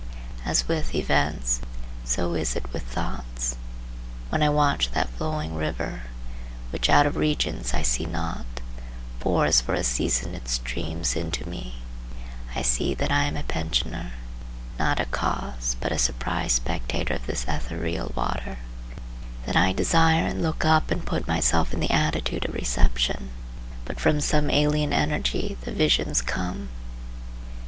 As with events, so is it with thoughts. When I watch that flowing river, which, out of regions I see not, pours for a season its streams into me, I see that I am a pensioner; not a cause, but a surprised spectator of this ethereal water; that I desire and look up and put myself in the attitude of reception, but from some alien energy the visions come.